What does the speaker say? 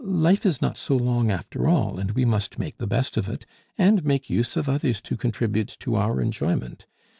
Life is not so long after all, and we must make the best of it, and make use of others to contribute to our enjoyment.